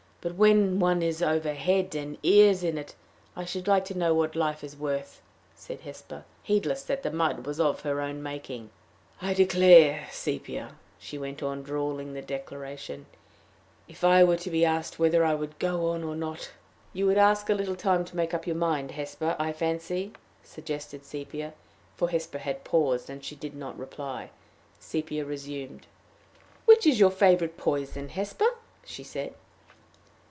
But when one is over head and ears in it, I should like to know what life is worth," said Hesper, heedless that the mud was of her own making. "I declare, Sepia," she went on, drawling the declaration, "if I were to be asked whether I would go on or not " "You would ask a little time to make up your mind, Hesper, I fancy," suggested Sepia, for Hesper had paused. As she did not reply, Sepia resumed. "Which is your favorite poison, Hesper?" she said.